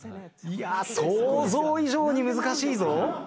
いや想像以上に難しいぞ。